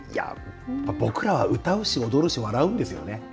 僕らは歌うし踊るし笑うんですね。